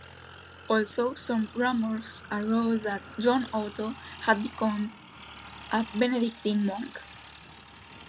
Also, some rumors arose that John Otto had become a Benedictine monk.